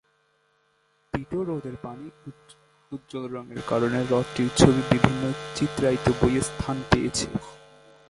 পিটো হ্রদের পানির উজ্জ্বল রঙের কারণে হ্রদটির ছবি বিভিন্ন চিত্রায়িত বইয়ে স্থান পেয়েছে।